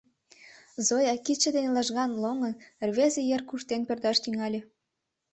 Зоя, кидше дене лыжган лоҥын, рвезе йыр куштен пӧрдаш тӱҥале.